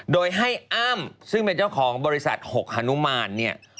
โดยให้อ้ามซึ่งเป็นเจ้าของบริษัทหกฮนุมาน